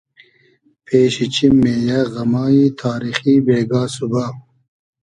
پېشی چیم مې یۂ غئمای تاریخی بېگا سوبا